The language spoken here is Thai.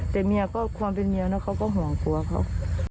แต่เมียก็ความเป็นเมียนะเขาก็ห่วงกลัวเขา